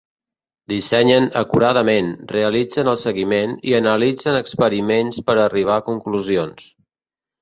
Dissenyen acuradament, realitzen el seguiment i analitzen experiments per arribar a conclusions.